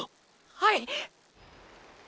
はい！！